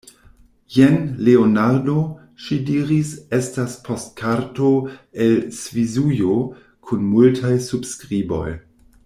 Jen, Leonardo, ŝi diris, estas poŝtkarto el Svisujo kun multaj subskriboj.